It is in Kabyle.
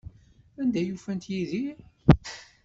Anda ay ufant Yidir?